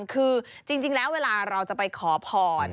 คือจริงแล้วเวลาเราจะไปขอพร